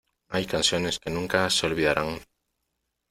Hay canciones que nunca se olvidarán.